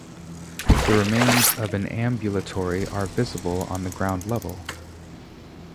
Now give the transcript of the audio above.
The remains of an ambulatory are visible on the ground level.